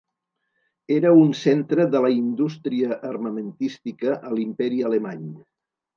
Era un centre de la indústria armamentística a l'Imperi Alemany.